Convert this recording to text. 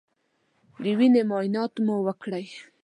د وینې معاینات مو وکړی